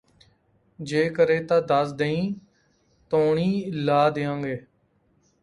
ਜੇ ਕਰੇ ਤਾਂ ਦੱਸ ਦੇਈਂ ਤੌਣੀਂ ਲਾ ਦਿਆਂਗੇ